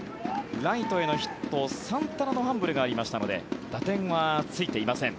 ライトへのヒットサンタナのファンブルがありましたので打点はついていません。